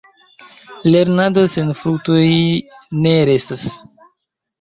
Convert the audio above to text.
Lernado sen fruktoj ne restas.